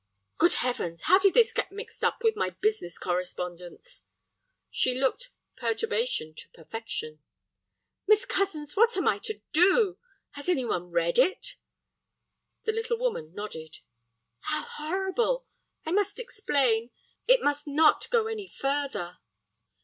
"Good Heavens!—how did this get mixed up with my business correspondence?" She looked perturbation to perfection. "Miss Cozens, what am I to do? Has any one read it?" The little woman nodded. "How horrible! I must explain—It must not go any further."